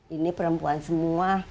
ini perempuan semua